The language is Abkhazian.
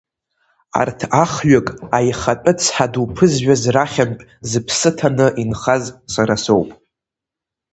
Арҭ ахҩык, аихатәы цҳаду ԥызжәаз рахьынтә зыԥсы ҭаны, инхаз сара соуп…